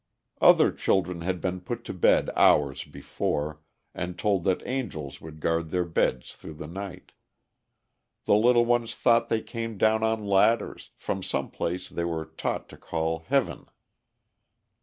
Other children had been put to bed hours before, and told that angels would guard their beds through the night. The little ones thought they came down on ladders, from some place they were taught to call heaven.